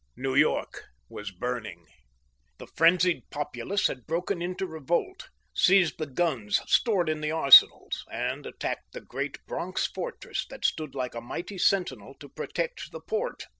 New York was burning. The frenzied populace had broken into revolt, seized the guns stored in the arsenals, and attacked the great Bronx fortress that stood like a mighty sentinel to protect the port.